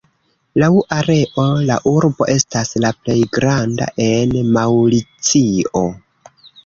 Laŭ areo la urbo estas la plej granda en Maŭricio.